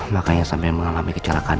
makanya sampai mengalami kecelakaan